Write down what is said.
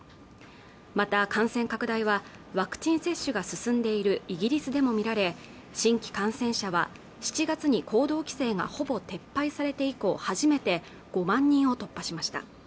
また感染拡大はワクチン接種が進んでいるイギリスでも見られ新規感染者は７月に行動規制がほぼ撤廃されて以降初めて５万人を突破しました